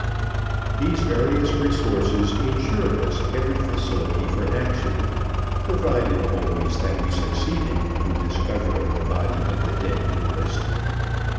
These various resources insured us every facility for action, provided always that we succeeded in discovering the body of the dead duelist.